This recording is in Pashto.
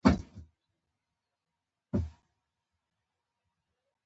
• زیاته پاملرنه یې ټولنیزو اړیکو ته ده.